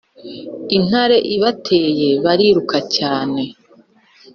intare ibateye, bariruka cyane